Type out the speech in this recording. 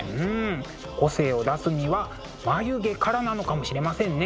個性を出すには眉毛からなのかもしれませんね。